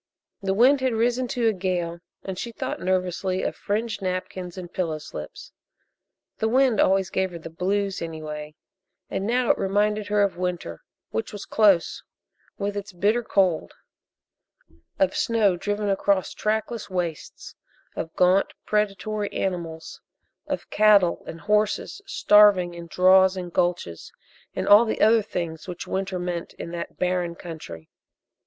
The wind had risen to a gale and she thought nervously of fringed napkins and pillow slips the wind always gave her the "blues" anyway, and now it reminded her of winter, which was close, with its bitter cold of snow driven across trackless wastes, of gaunt predatory animals, of cattle and horses starving in draws and gulches, and all the other things which winter meant in that barren country.